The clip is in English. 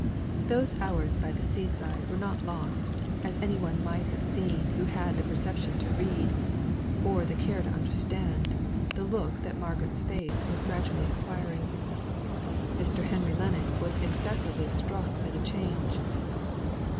Those hours by the seaside were not lost, as any one might have seen who had had the perception to read, or the care to understand, the look that Margaret's face was gradually acquiring. Mr. Henry Lennox was excessively struck by the change.